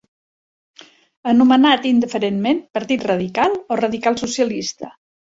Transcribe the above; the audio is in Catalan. Anomenat indiferentment partit radical o radical-socialista.